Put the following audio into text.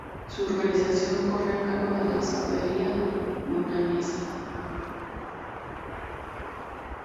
Su organización corre a cargo de la Escudería Montañesa.